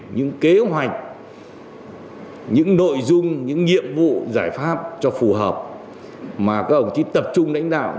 những kế hoạch những nội dung những nhiệm vụ giải pháp cho phù hợp mà các ông chí tập trung đánh đạo